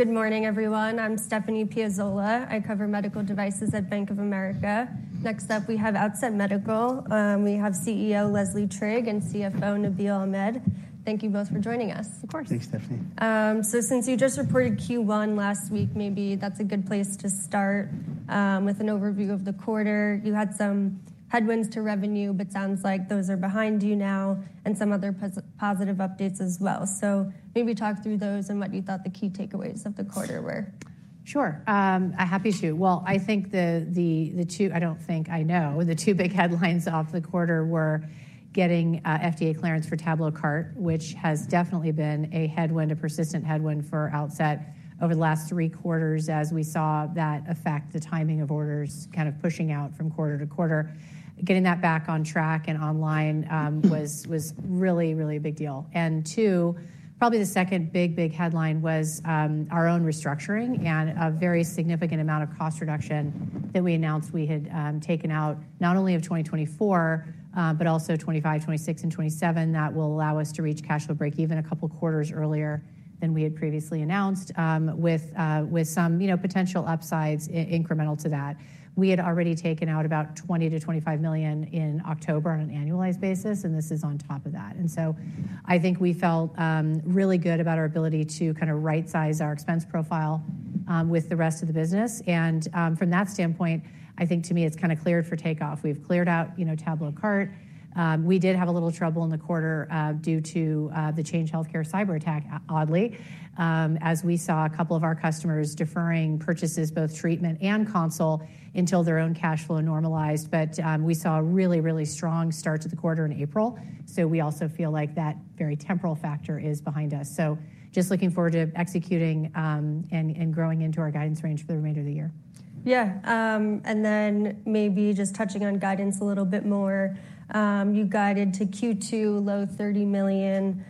Good morning, everyone. I'm Stephanie Piazzola. I cover medical devices at Bank of America. Next up, we have Outset Medical. We have CEO Leslie Trigg and CFO Nabeel Ahmed. Thank you both for joining us. Of course. Thanks, Stephanie. Since you just reported Q1 last week, maybe that's a good place to start with an overview of the quarter. You had some headwinds to revenue, but sounds like those are behind you now and some other positive updates as well. Maybe talk through those and what you thought the key takeaways of the quarter were? Sure. Happy to. Well, the two big headlines off the quarter were getting FDA clearance for TabloCart, which has definitely been a headwind, a persistent headwind for Outset over the last three quarters as we saw that affect the timing of orders kind of pushing out from quarter to quarter. Getting that back on track and online was really, really a big deal. And two, probably the second big, big headline was our own restructuring and a very significant amount of cost reduction that we announced we had taken out not only of 2024, but also 2025, 2026, and 2027 that will allow us to reach cash flow break even a couple quarters earlier than we had previously announced, with some potential upsides incremental to that. We had already taken out about $20 million-$25 million in October on an annualized basis, and this is on top of that. And so I think we felt really good about our ability to kind of right-size our expense profile with the rest of the business. And from that standpoint, I think to me, it's kind of cleared for takeoff. We've cleared out TabloCart. We did have a little trouble in the quarter due to the Change Healthcare cyber attack, oddly, as we saw a couple of our customers deferring purchases, both treatment and console, until their own cash flow normalized. But we saw a really, really strong start to the quarter in April. So we also feel like that very temporal factor is behind us. So just looking forward to executing and growing into our guidance range for the remainder of the year. Yeah. And then maybe just touching on guidance a little bit more. You guided to Q2 low $30 million,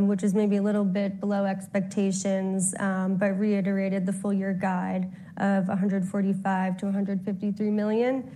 which is maybe a little bit below expectations, but reiterated the full year guide of $145 million-$153 million.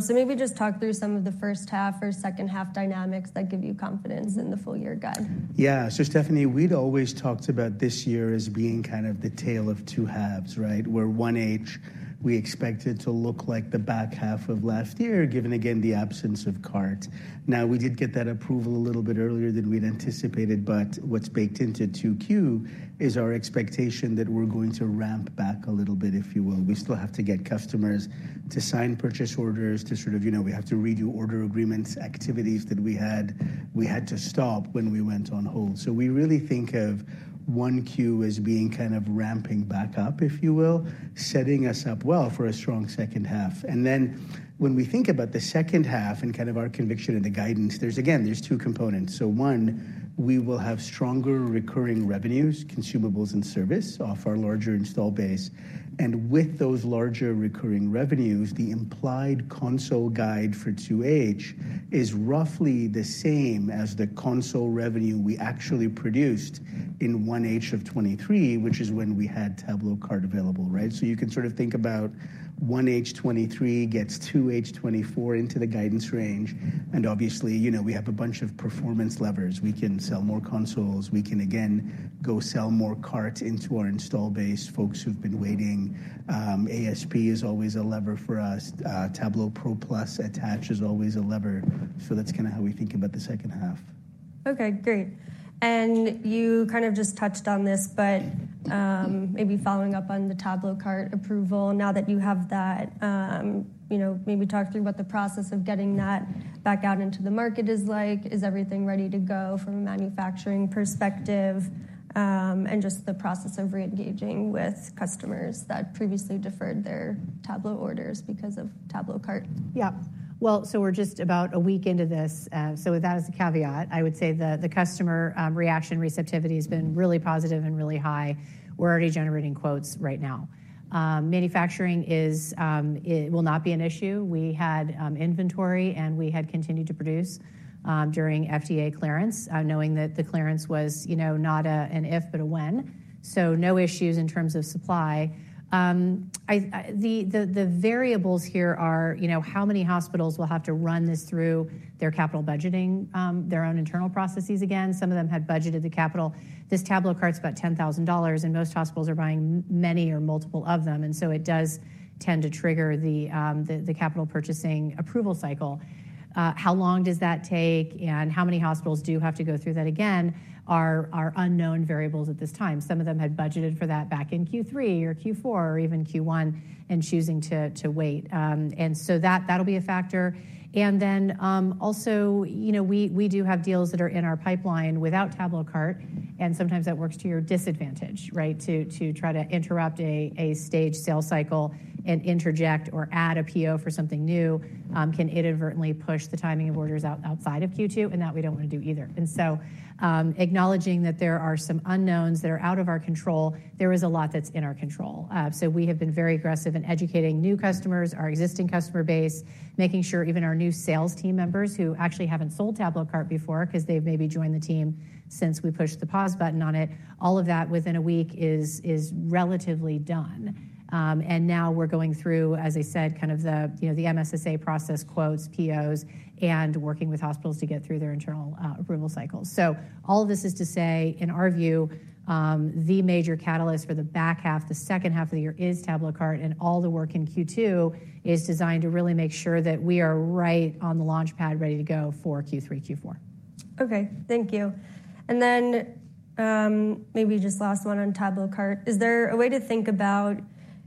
So maybe just talk through some of the first half or second half dynamics that give you confidence in the full year guide. Yeah. So Stephanie, we'd always talked about this year as being kind of the tale of two halves, right, where 1H we expected to look like the back half of last year, given, again, the absence of Cart. Now, we did get that approval a little bit earlier than we'd anticipated. But what's baked into 2Q is our expectation that we're going to ramp back a little bit, if you will. We still have to get customers to sign purchase orders, to sort of we have to redo order agreements activities that we had to stop when we went on hold. So we really think of 1Q as being kind of ramping back up, if you will, setting us up well for a strong second half. And then when we think about the second half and kind of our conviction and the guidance, again, there's two components. So, one, we will have stronger recurring revenues, consumables and service, off our larger install base. And with those larger recurring revenues, the implied console guide for 2H is roughly the same as the console revenue we actually produced in 1H of 2023, which is when we had TabloCart available, right? So you can sort of think about 1H 2023 gets 2H 2024 into the guidance range. And obviously, we have a bunch of performance levers. We can sell more consoles. We can, again, go sell more Cart into our install base. Folks who've been waiting. ASP is always a lever for us. Tablo Pro+ attach is always a lever. So that's kind of how we think about the second half. Okay, great. And you kind of just touched on this, but maybe following up on the TabloCart approval, now that you have that, maybe talk through what the process of getting that back out into the market is like. Is everything ready to go from a manufacturing perspective and just the process of reengaging with customers that previously deferred their Tablo orders because of TabloCart? Yeah. Well, so we're just about a week into this. So with that as a caveat, I would say the customer reaction receptivity has been really positive and really high. We're already generating quotes right now. Manufacturing will not be an issue. We had inventory, and we had continued to produce during FDA clearance, knowing that the clearance was not an if, but a when. So no issues in terms of supply. The variables here are how many hospitals will have to run this through their capital budgeting, their own internal processes. Again, some of them had budgeted the capital. This TabloCart's about $10,000, and most hospitals are buying many or multiple of them. And so it does tend to trigger the capital purchasing approval cycle. How long does that take, and how many hospitals do have to go through that again are unknown variables at this time. Some of them had budgeted for that back in Q3 or Q4 or even Q1 and choosing to wait. And so that'll be a factor. And then also, we do have deals that are in our pipeline without TabloCart. And sometimes that works to your disadvantage, right, to try to interrupt a staged sale cycle and interject or add a PO for something new can inadvertently push the timing of orders outside of Q2, and that we don't want to do either. And so acknowledging that there are some unknowns that are out of our control, there is a lot that's in our control. So we have been very aggressive in educating new customers, our existing customer base, making sure even our new sales team members who actually haven't sold TabloCart before because they've maybe joined the team since we pushed the pause button on it, all of that within a week is relatively done. And now we're going through, as I said, kind of the MSSA process, quotes, POs, and working with hospitals to get through their internal approval cycles. So all of this is to say, in our view, the major catalyst for the back half, the second half of the year, is TabloCart. And all the work in Q2 is designed to really make sure that we are right on the launchpad, ready to go for Q3, Q4. Okay, thank you. And then maybe just last one on TabloCart. Is there a way to think about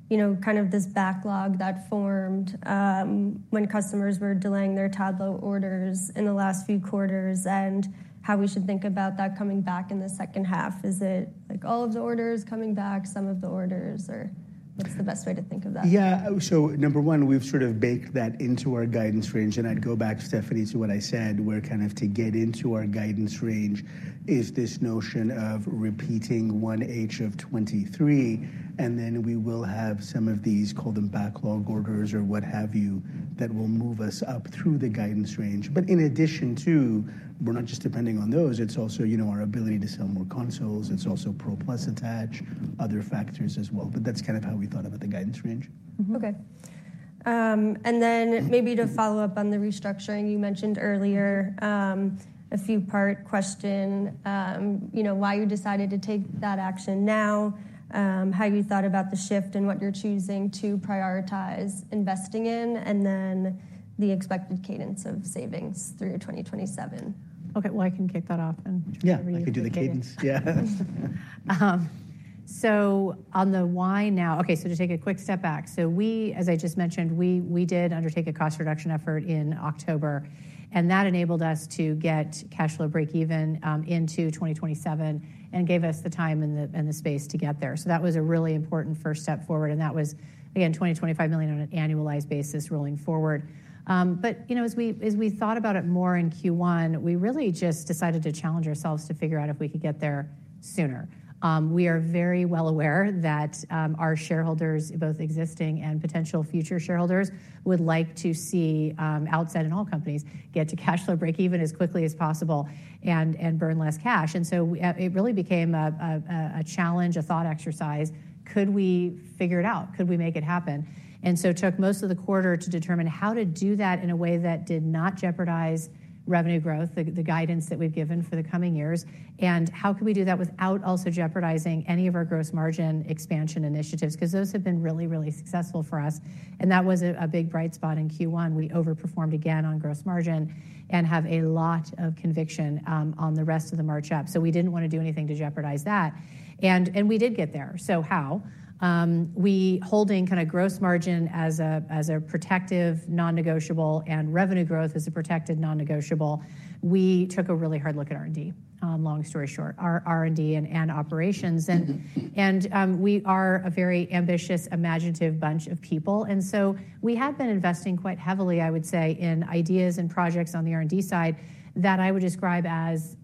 kind of this backlog that formed when customers were delaying their Tablo orders in the last few quarters and how we should think about that coming back in the second half? Is it all of the orders coming back, some of the orders, or what's the best way to think of that? Yeah. So number one, we've sort of baked that into our guidance range. And I'd go back, Stephanie, to what I said, where kind of to get into our guidance range is this notion of repeating 1H of 2023. And then we will have some of these, call them backlog orders or what have you, that will move us up through the guidance range. But in addition to, we're not just depending on those. It's also our ability to sell more consoles. It's also Pro+ attach, other factors as well. But that's kind of how we thought about the guidance range. Okay. And then maybe to follow up on the restructuring, you mentioned earlier a few-part question, why you decided to take that action now, how you thought about the shift and what you're choosing to prioritize investing in, and then the expected cadence of savings through 2027? Okay, well, I can kick that off and read it for you. Yeah, I can do the cadence. Yeah. So, on the why now, okay, so to take a quick step back. So we, as I just mentioned, we did undertake a cost reduction effort in October. And that enabled us to get cash flow break even into 2027 and gave us the time and the space to get there. So that was a really important first step forward. And that was, again, $20-$25 million on an annualized basis rolling forward. But as we thought about it more in Q1, we really just decided to challenge ourselves to figure out if we could get there sooner. We are very well aware that our shareholders, both existing and potential future shareholders, would like to see Outset Medical and all companies get to cash flow break even as quickly as possible and burn less cash. And so it really became a challenge, a thought exercise. Could we figure it out? Could we make it happen? So it took most of the quarter to determine how to do that in a way that did not jeopardize revenue growth, the guidance that we've given for the coming years. How can we do that without also jeopardizing any of our gross margin expansion initiatives? Because those have been really, really successful for us. That was a big bright spot in Q1. We overperformed again on gross margin and have a lot of conviction on the rest of the march up. So we didn't want to do anything to jeopardize that. We did get there. So how? Holding kind of gross margin as a protective non-negotiable and revenue growth as a protected non-negotiable, we took a really hard look at R&D. Long story short, our R&D and operations. We are a very ambitious, imaginative bunch of people. And so we had been investing quite heavily, I would say, in ideas and projects on the R&D side that I would describe as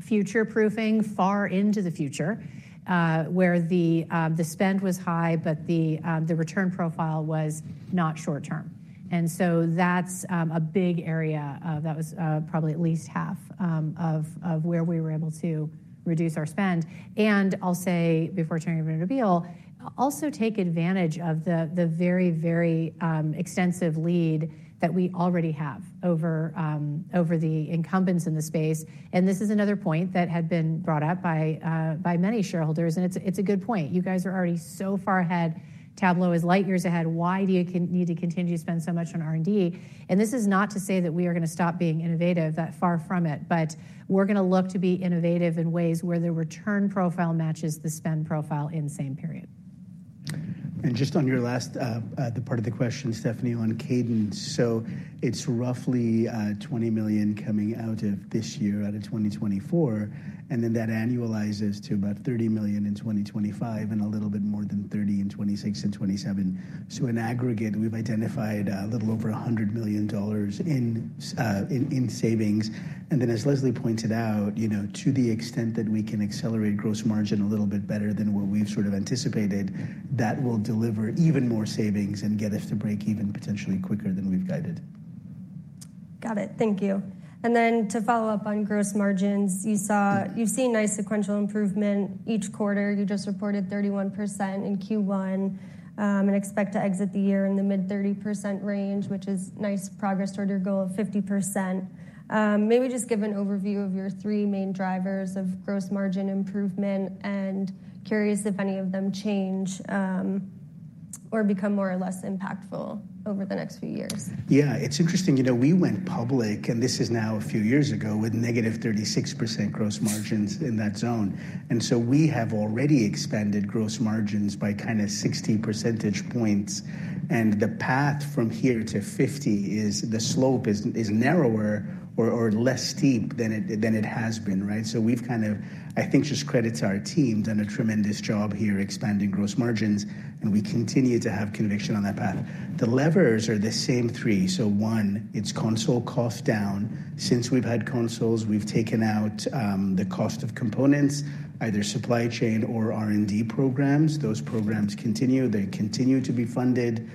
future-proofing far into the future, where the spend was high, but the return profile was not short-term. And so that's a big area. That was probably at least half of where we were able to reduce our spend. And I'll say, before turning over to Nabeel, also take advantage of the very, very extensive lead that we already have over the incumbents in the space. And this is another point that had been brought up by many shareholders. And it's a good point. You guys are already so far ahead. Tablo is light years ahead. Why do you need to continue to spend so much on R&D? And this is not to say that we are going to stop being innovative, that far from it. But we're going to look to be innovative in ways where the return profile matches the spend profile in the same period. Just on your last part of the question, Stephanie, on cadence, so it's roughly $20 million coming out of this year out of 2024. Then that annualizes to about $30 million in 2025 and a little bit more than 30 in 2026 and 2027. In aggregate, we've identified a little over $100 million in savings. Then, as Leslie pointed out, to the extent that we can accelerate gross margin a little bit better than what we've sort of anticipated, that will deliver even more savings and get us to break even potentially quicker than we've guided. Got it. Thank you. And then to follow up on gross margins, you've seen nice sequential improvement each quarter. You just reported 31% in Q1 and expect to exit the year in the mid-30% range, which is nice progress toward your goal of 50%. Maybe just give an overview of your three main drivers of gross margin improvement and curious if any of them change or become more or less impactful over the next few years? Yeah, it's interesting. We went public, and this is now a few years ago, with negative 36% gross margins in that zone. And so we have already expanded gross margins by kind of 60 percentage points. And the path from here to 50 is the slope is narrower or less steep than it has been, right? So we've kind of, I think, just credit to our team, done a tremendous job here expanding gross margins. And we continue to have conviction on that path. The levers are the same three. So 1, it's console cost down. Since we've had consoles, we've taken out the cost of components, either supply chain or R&D programs. Those programs continue. They continue to be funded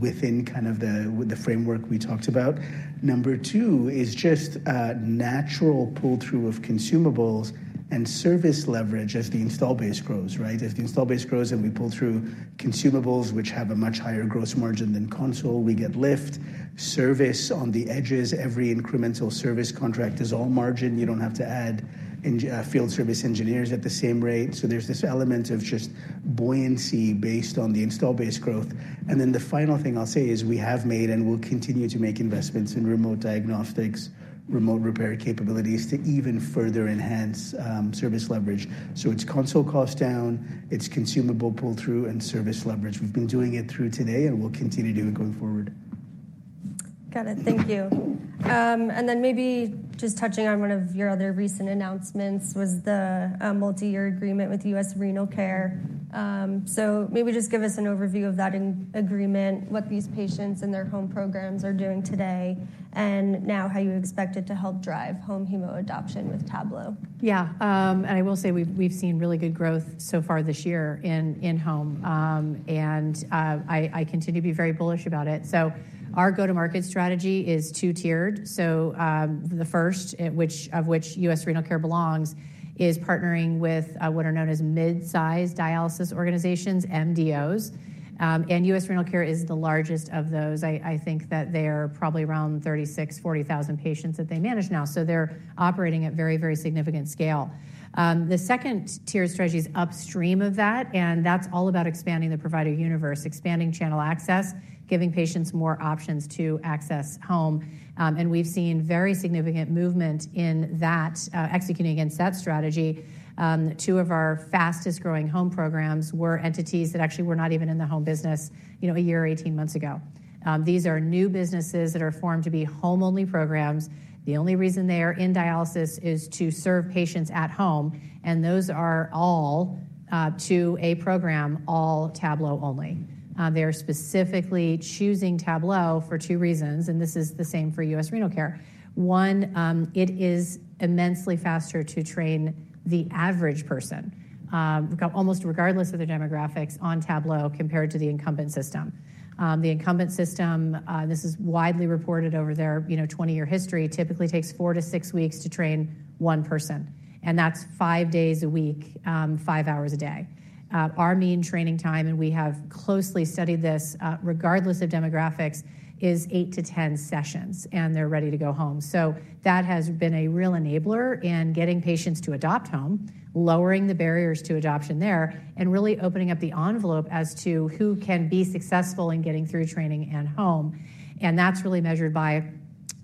within kind of the framework we talked about. Number 2 is just natural pull-through of consumables and service leverage as the install base grows, right? As the install base grows and we pull through consumables, which have a much higher gross margin than console, we get lift. Service on the edges, every incremental service contract is all margin. You don't have to add field service engineers at the same rate. So there's this element of just buoyancy based on the install base growth. And then the final thing I'll say is we have made and will continue to make investments in remote diagnostics, remote repair capabilities to even further enhance service leverage. So it's console cost down. It's consumable pull-through and service leverage. We've been doing it through today, and we'll continue doing it going forward. Got it. Thank you. And then maybe just touching on one of your other recent announcements was the multi-year agreement with U.S. Renal Care. So maybe just give us an overview of that agreement, what these patients and their home programs are doing today, and now how you expect it to help drive home hemo adoption with Tablo. Yeah. And I will say we've seen really good growth so far this year in home. And I continue to be very bullish about it. So our go-to-market strategy is two-tiered. So the first, of which U.S. Renal Care belongs, is partnering with what are known as midsize dialysis organizations, MDOs. And U.S. Renal Care is the largest of those. I think that they are probably around 36,000, 40,000 patients that they manage now. So they're operating at very, very significant scale. The second tier strategy is upstream of that. And that's all about expanding the provider universe, expanding channel access, giving patients more options to access home. And we've seen very significant movement in that, executing against that strategy. Two of our fastest-growing home programs were entities that actually were not even in the home business a year or 18 months ago. These are new businesses that are formed to be home-only programs. The only reason they are in dialysis is to serve patients at home. Those are all to a program, all Tablo only. They are specifically choosing Tablo for two reasons. This is the same for U.S. Renal Care. One, it is immensely faster to train the average person, almost regardless of their demographics, on Tablo compared to the incumbent system. The incumbent system, this is widely reported over their 20-year history, typically takes 4-6 weeks to train one person. That's 5 days a week, 5 hours a day. Our mean training time, and we have closely studied this regardless of demographics, is 8-10 sessions. They're ready to go home. So that has been a real enabler in getting patients to adopt home, lowering the barriers to adoption there, and really opening up the envelope as to who can be successful in getting through training and home. And that's really measured by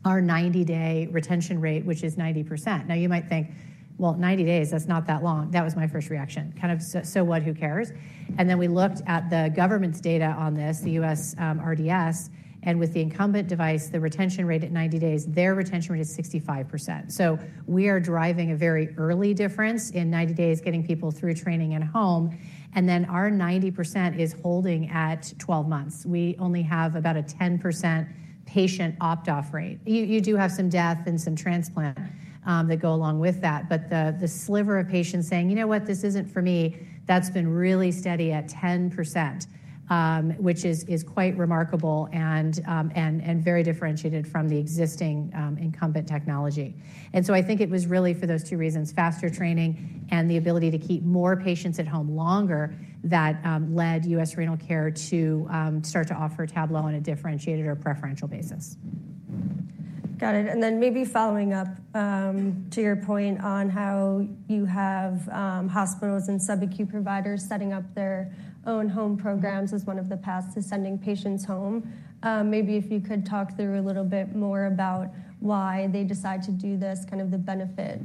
our 90-day retention rate, which is 90%. Now, you might think, well, 90 days, that's not that long. That was my first reaction. Kind of, so what? Who cares? And then we looked at the government's data on this, the USRDS. And with the incumbent device, the retention rate at 90 days, their retention rate is 65%. So we are driving a very early difference in 90 days, getting people through training and home. And then our 90% is holding at 12 months. We only have about a 10% patient opt-off rate. You do have some death and some transplant that go along with that. The sliver of patients saying, you know what? This isn't for me, that's been really steady at 10%, which is quite remarkable and very differentiated from the existing incumbent technology. And so I think it was really for those two reasons, faster training and the ability to keep more patients at home longer that led U.S. Renal Care to start to offer Tablo on a differentiated or preferential basis. Got it. And then maybe following up to your point on how you have hospitals and subacute providers setting up their own home programs as one of the paths to sending patients home. Maybe if you could talk through a little bit more about why they decide to do this, kind of the benefit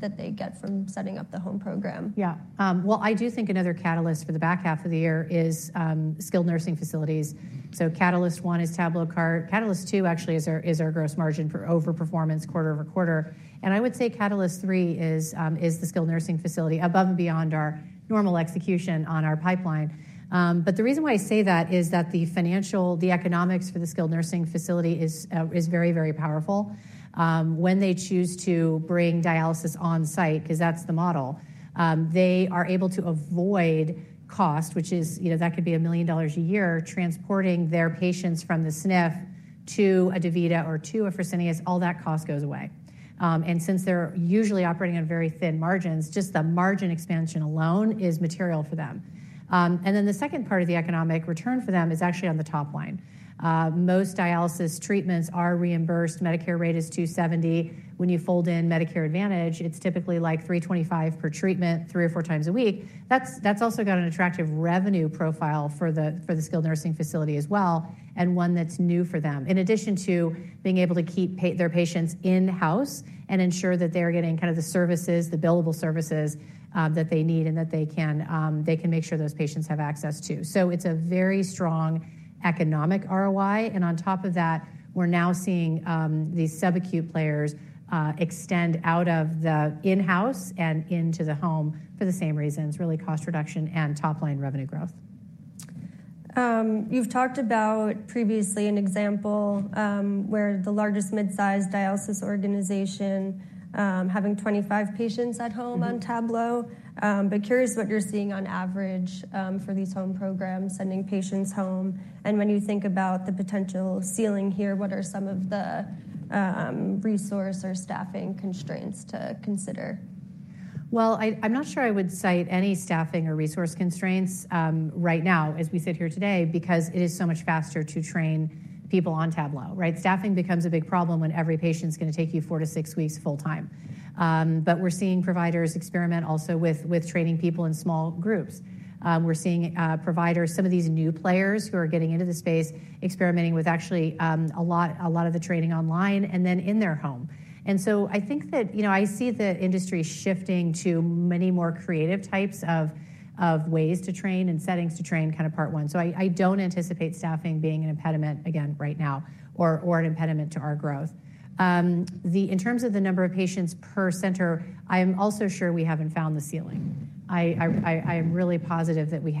that they get from setting up the home program. Yeah. Well, I do think another catalyst for the back half of the year is skilled nursing facilities. So catalyst one is TabloCart. Catalyst two, actually, is our gross margin for overperformance quarter-over-quarter. And I would say catalyst three is the skilled nursing facility above and beyond our normal execution on our pipeline. But the reason why I say that is that the economics for the skilled nursing facility is very, very powerful. When they choose to bring dialysis on-site, because that's the model, they are able to avoid cost, which could be $1 million a year transporting their patients from the SNF to a DaVita or to a Fresenius. All that cost goes away. And since they're usually operating on very thin margins, just the margin expansion alone is material for them. Then the second part of the economic return for them is actually on the top line. Most dialysis treatments are reimbursed. Medicare rate is $270. When you fold in Medicare Advantage, it's typically like $325 per treatment, three or four times a week. That's also got an attractive revenue profile for the skilled nursing facility as well, and one that's new for them, in addition to being able to keep their patients in-house and ensure that they're getting kind of the services, the billable services that they need and that they can make sure those patients have access to. So it's a very strong economic ROI. And on top of that, we're now seeing these subacute players extend out of the in-house and into the home for the same reasons, really cost reduction and top-line revenue growth. You've talked about previously an example where the largest midsize dialysis organization having 25 patients at home on Tablo. But curious what you're seeing on average for these home programs sending patients home? And when you think about the potential ceiling here, what are some of the resource or staffing constraints to consider? Well, I'm not sure I would cite any staffing or resource constraints right now as we sit here today because it is so much faster to train people on Tablo, right? Staffing becomes a big problem when every patient's going to take you four to six weeks full-time. But we're seeing providers experiment also with training people in small groups. We're seeing providers, some of these new players who are getting into the space, experimenting with actually a lot of the training online and then in their home. And so I think that I see the industry shifting to many more creative types of ways to train and settings to train kind of part one. So I don't anticipate staffing being an impediment, again, right now or an impediment to our growth. In terms of the number of patients per center, I am also sure we haven't found the ceiling. I am really positive that we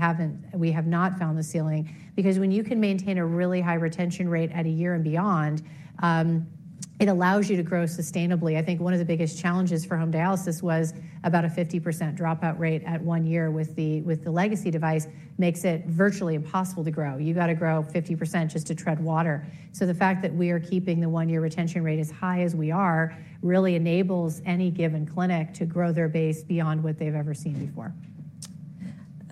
have not found the ceiling because when you can maintain a really high retention rate at a year and beyond, it allows you to grow sustainably. I think one of the biggest challenges for home dialysis was about a 50% dropout rate at one year with the legacy device, makes it virtually impossible to grow. You got to grow 50% just to tread water. So the fact that we are keeping the one-year retention rate as high as we are really enables any given clinic to grow their base beyond what they've ever seen before.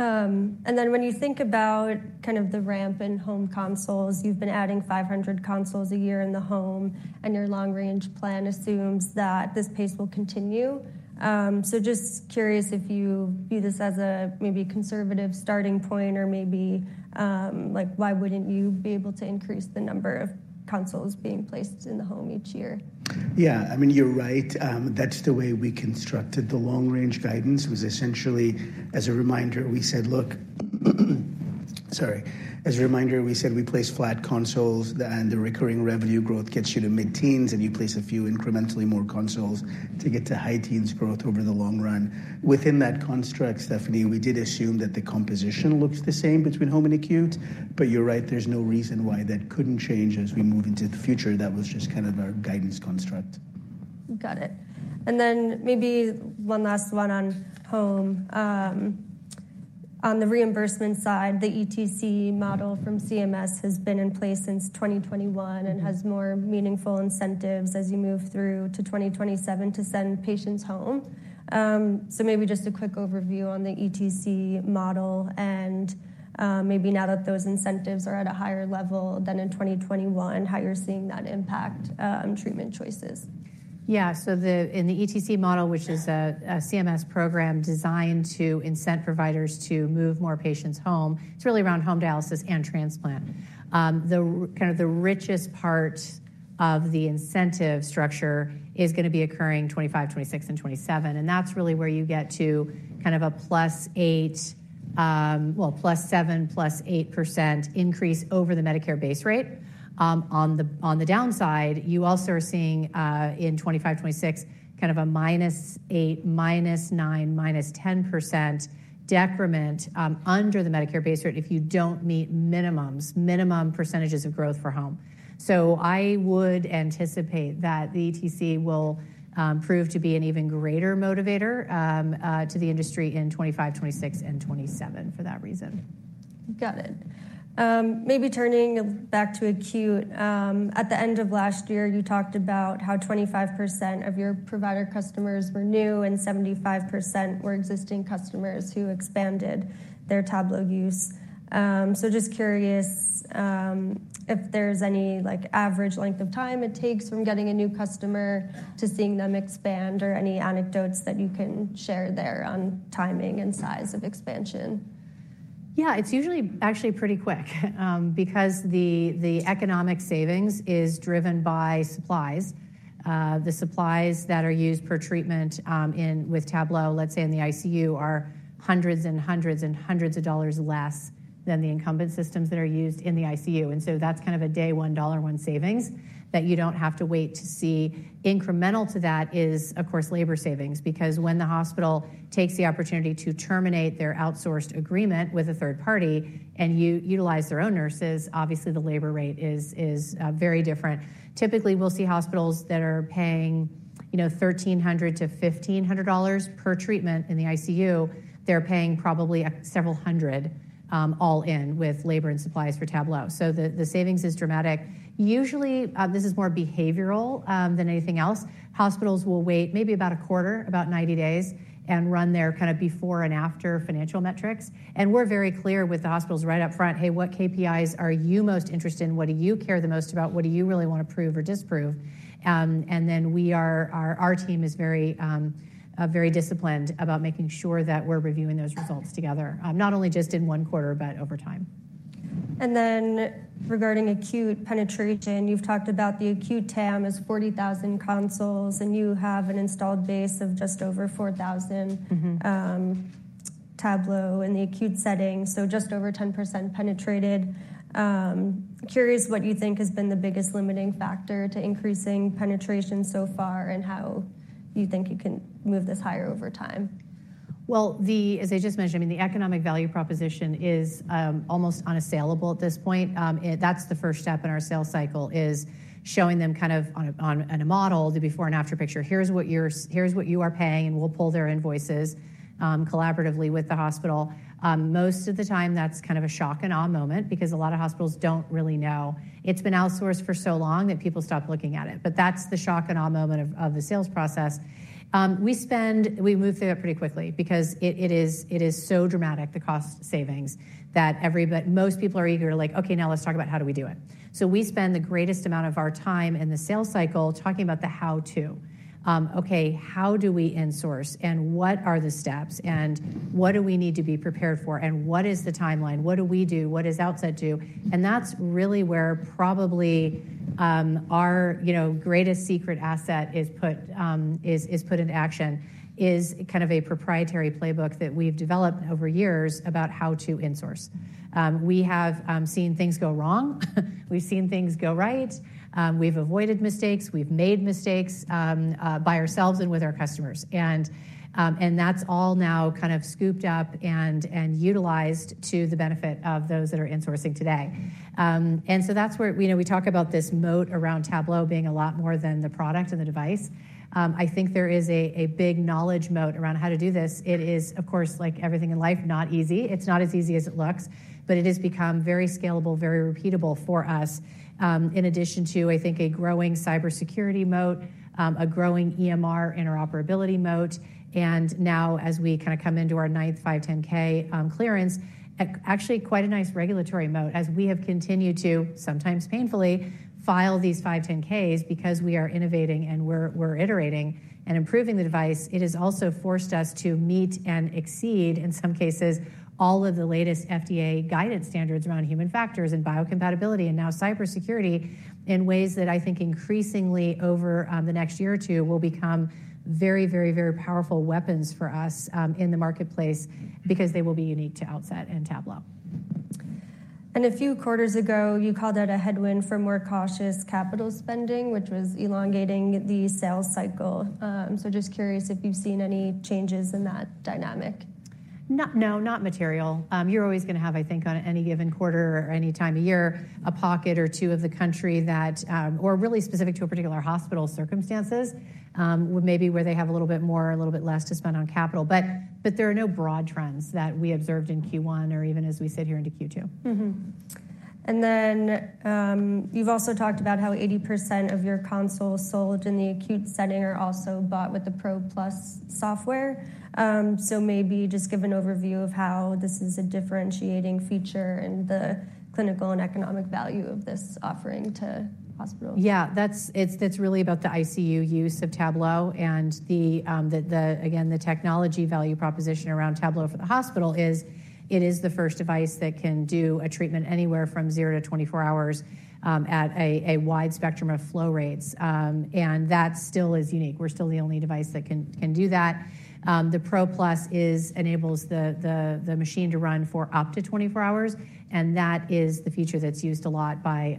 And then when you think about kind of the ramp in home consoles, you've been adding 500 consoles a year in the home, and your long-range plan assumes that this pace will continue. So just curious if you view this as a maybe conservative starting point, or maybe why wouldn't you be able to increase the number of consoles being placed in the home each year? Yeah, I mean, you're right. That's the way we constructed the long-range guidance was essentially, as a reminder, we said, look sorry. As a reminder, we said we place flat consoles, and the recurring revenue growth gets you to mid-teens, and you place a few incrementally more consoles to get to high-teens growth over the long run. Within that construct, Stephanie, we did assume that the composition looks the same between home and acute. But you're right, there's no reason why that couldn't change as we move into the future. That was just kind of our guidance construct. Got it. And then maybe one last one on home. On the reimbursement side, the ETC model from CMS has been in place since 2021 and has more meaningful incentives as you move through to 2027 to send patients home. So maybe just a quick overview on the ETC model. And maybe now that those incentives are at a higher level than in 2021, how you're seeing that impact treatment choices? Yeah. So in the ETC model, which is a CMS program designed to incent providers to move more patients home, it's really around home dialysis and transplant. Kind of the richest part of the incentive structure is going to be occurring 2025, 2026, and 2027. And that's really where you get to kind of a +8%, well, +7%, +8% increase over the Medicare base rate. On the downside, you also are seeing in 2025, 2026 kind of a -8%, -9%, -10% decrement under the Medicare base rate if you don't meet minimums, minimum percentages of growth for home. So I would anticipate that the ETC will prove to be an even greater motivator to the industry in 2025, 2026, and 2027 for that reason. Got it. Maybe turning back to acute, at the end of last year, you talked about how 25% of your provider customers were new and 75% were existing customers who expanded their Tablo use. So just curious if there's any average length of time it takes from getting a new customer to seeing them expand or any anecdotes that you can share there on timing and size of expansion? Yeah, it's usually actually pretty quick because the economic savings is driven by supplies. The supplies that are used per treatment with Tablo, let's say in the ICU, are hundreds and hundreds and hundreds of dollars less than the incumbent systems that are used in the ICU. And so that's kind of a day-one savings that you don't have to wait to see. Incremental to that is, of course, labor savings because when the hospital takes the opportunity to terminate their outsourced agreement with a third party and utilize their own nurses, obviously, the labor rate is very different. Typically, we'll see hospitals that are paying $1,300-$1,500 per treatment in the ICU, they're paying probably several hundred all in with labor and supplies for Tablo. So the savings is dramatic. Usually, this is more behavioral than anything else. Hospitals will wait maybe about a quarter, about 90 days, and run their kind of before and after financial metrics. And we're very clear with the hospitals right up front, hey, what KPIs are you most interested in? What do you care the most about? What do you really want to prove or disprove? And then our team is very disciplined about making sure that we're reviewing those results together, not only just in one quarter, but over time. And then regarding acute penetration, you've talked about the acute TAM as 40,000 consoles, and you have an installed base of just over 4,000 Tablo in the acute setting, so just over 10% penetrated. Curious what you think has been the biggest limiting factor to increasing penetration so far and how you think you can move this higher over time? Well, as I just mentioned, I mean, the economic value proposition is almost unassailable at this point. That's the first step in our sales cycle is showing them kind of on a model, the before and after picture, here's what you are paying, and we'll pull their invoices collaboratively with the hospital. Most of the time, that's kind of a shock and awe moment because a lot of hospitals don't really know. It's been outsourced for so long that people stop looking at it. But that's the shock and awe moment of the sales process. We move through that pretty quickly because it is so dramatic, the cost savings, that most people are eager to like, okay, now let's talk about how do we do it. So we spend the greatest amount of our time in the sales cycle talking about the how-to. Okay, how do we insource? What are the steps? And what do we need to be prepared for? And what is the timeline? What do we do? What does Outset do? And that's really where probably our greatest secret asset is put into action, is kind of a proprietary playbook that we've developed over years about how to insource. We have seen things go wrong. We've seen things go right. We've avoided mistakes. We've made mistakes by ourselves and with our customers. And that's all now kind of scooped up and utilized to the benefit of those that are insourcing today. And so that's where we talk about this moat around Tablo being a lot more than the product and the device. I think there is a big knowledge moat around how to do this. It is, of course, like everything in life, not easy. It's not as easy as it looks. But it has become very scalable, very repeatable for us, in addition to, I think, a growing cybersecurity moat, a growing EMR interoperability moat. And now, as we kind of come into our ninth 510(k) clearance, actually quite a nice regulatory moat, as we have continued to, sometimes painfully, file these 510(k)s because we are innovating and we're iterating and improving the device. It has also forced us to meet and exceed, in some cases, all of the latest FDA guidance standards around human factors and biocompatibility and now cybersecurity in ways that I think increasingly over the next year or two will become very, very, very powerful weapons for us in the marketplace because they will be unique to Outset and Tablo. A few quarters ago, you called out a headwind for more cautious capital spending, which was elongating the sales cycle. So just curious if you've seen any changes in that dynamic? No, not material. You're always going to have, I think, on any given quarter or any time of year, a pocket or two of the country that or really specific to a particular hospital circumstances, maybe where they have a little bit more, a little bit less to spend on capital. But there are no broad trends that we observed in Q1 or even as we sit here into Q2. Then you've also talked about how 80% of your consoles sold in the acute setting are also bought with the Pro+ software. Maybe just give an overview of how this is a differentiating feature and the clinical and economic value of this offering to hospitals. Yeah, it's really about the ICU use of Tablo. Again, the technology value proposition around Tablo for the hospital is it is the first device that can do a treatment anywhere from 0 to 24 hours at a wide spectrum of flow rates. That still is unique. We're still the only device that can do that. The Tablo Pro+ enables the machine to run for up to 24 hours. That is the feature that's used a lot by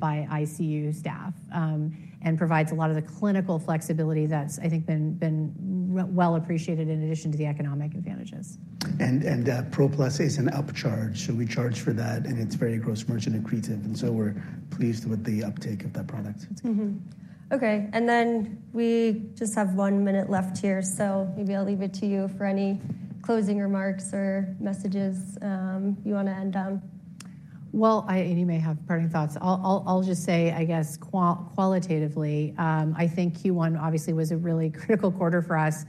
ICU staff and provides a lot of the clinical flexibility that's, I think, been well appreciated in addition to the economic advantages. Pro+ is an upcharge. So we charge for that, and it's very gross margin accretive. And so we're pleased with the uptake of that product. Okay. And then we just have one minute left here. So maybe I'll leave it to you for any closing remarks or messages you want to end on. Well, Nabeel may have parting thoughts. I'll just say, I guess, qualitatively, I think Q1 obviously was a really critical quarter for us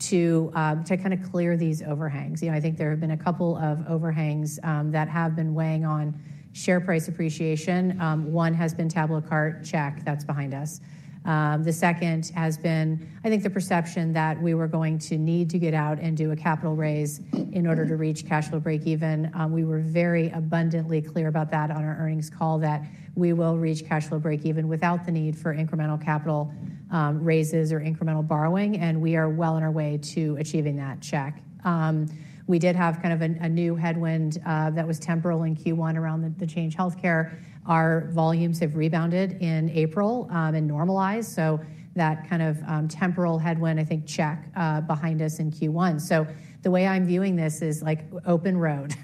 to kind of clear these overhangs. I think there have been a couple of overhangs that have been weighing on share price appreciation. One has been TabloCart check. That's behind us. The second has been, I think, the perception that we were going to need to get out and do a capital raise in order to reach cash flow break-even. We were very abundantly clear about that on our earnings call that we will reach cash flow break-even without the need for incremental capital raises or incremental borrowing. And we are well on our way to achieving that check. We did have kind of a new headwind that was temporal in Q1 around the Change Healthcare. Our volumes have rebounded in April and normalized. So that kind of temporal headwind, I think, is behind us in Q1. So the way I'm viewing this is like open road.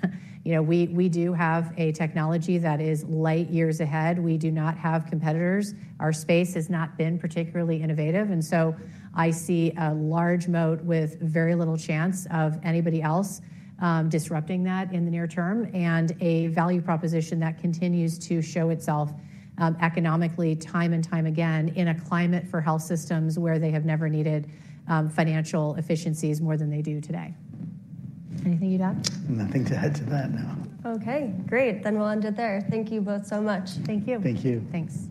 We do have a technology that is light years ahead. We do not have competitors. Our space has not been particularly innovative. And so I see a large moat with very little chance of anybody else disrupting that in the near term, and a value proposition that continues to show itself economically, time and time again, in a climate for health systems where they have never needed financial efficiencies more than they do today. Anything you'd add? Nothing to add to that, no. Okay, great. Then we'll end it there. Thank you both so much. Thank you. Thank you. Thanks.